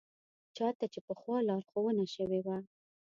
چا ته چې پخوا لارښوونه شوې وه.